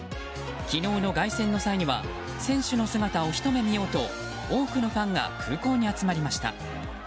昨日の凱旋の際には選手の姿をひと目見ようと多くのファンが空港に集まりました。